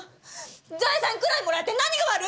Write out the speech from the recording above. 財産くらいもらって何が悪いのよ！